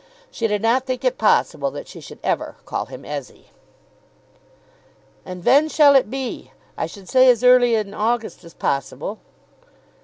She did not think it possible that she should ever call him Ezzy. "And ven shall it be? I should say as early in August as possible."